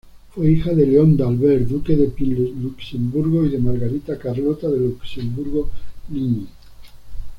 Fue hija de Leon d'Albert Duque de Pine-Luxemburgo y de Margarita Carlota de Luxemburgo-Linyi.